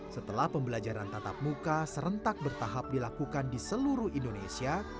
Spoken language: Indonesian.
setelah pembelajaran tatap muka serentak bertahap dilakukan di seluruh indonesia